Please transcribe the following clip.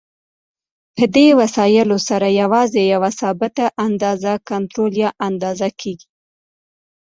په دې وسایلو سره یوازې یوه ثابته اندازه کنټرول یا اندازه کېږي.